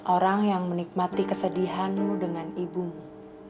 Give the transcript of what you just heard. orang yang menikmati kesedihanmu dengan ibumu